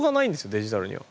デジタルには。